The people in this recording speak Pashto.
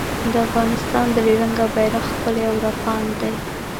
د افغانستان درې رنګه بېرغ ښکلی او رپاند دی